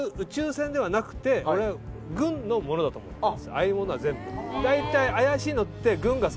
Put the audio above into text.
ああいうものは全部。